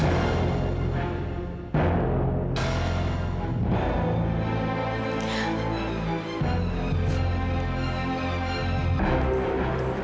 ayah juga akan menangkap ayah